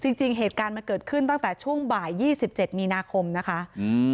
จริงจริงเหตุการณ์มันเกิดขึ้นตั้งแต่ช่วงบ่ายยี่สิบเจ็ดมีนาคมนะคะอืม